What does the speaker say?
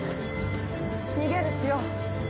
逃げるっすよ！